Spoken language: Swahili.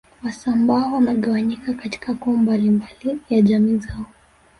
Wasambaa wamegawanyika katika koo mbalimbali ndani ya jamii zao